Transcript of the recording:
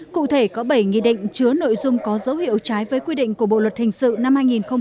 cụ thể có bảy nghị định chứa nội dung có dấu hiệu trái với quy định của bộ luật hình sự năm hai nghìn một mươi năm